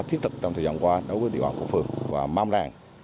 thiết thực trong thời gian qua đối với địa bàn phường và mong rằng